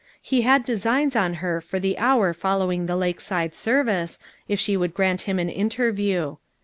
He had designs on her for the hour following the lakeside service, if she would grant him an interview.